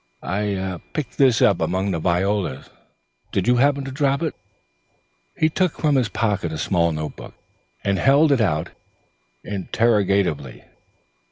I picked this up among the violas. Did you happen to drop it?" He took from his pocket a small paper notebook, and held it out interrogatively.